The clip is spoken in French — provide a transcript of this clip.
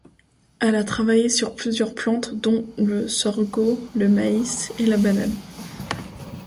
Elle a travaillé sur plusieurs plantes, dont le sorgho, le maïs et la banane.